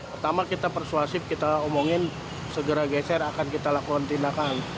pertama kita persuasif kita omongin segera geser akan kita lakukan tindakan